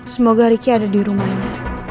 semoga riki ada dirumahnya